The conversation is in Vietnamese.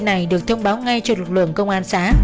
đối tượng này được thông báo ngay cho lực lượng công an xã